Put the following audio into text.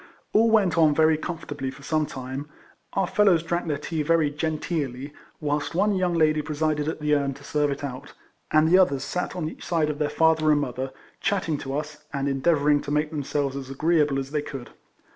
All went on very comfortably for some time ; our fellows drank their tea very genteelly, whilst one young lady presided at the urn to serve it out, and the others sat on each side of their father and mother, chatting to us, and endeavouring to make themselves as agreeable as they could.